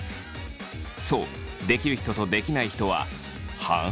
そうできる人とできない人は半々ぐらい。